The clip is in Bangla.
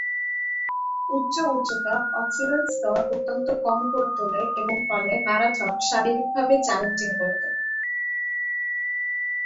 উচ্চ উচ্চতা অক্সিজেন স্তর অত্যন্ত কম করে তোলে এবং ফলে ম্যারাথন শারীরিকভাবে চ্যালেঞ্জিং করে তোলে।